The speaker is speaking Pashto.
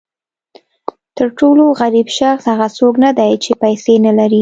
تر ټولو غریب شخص هغه څوک نه دی چې پیسې نه لري.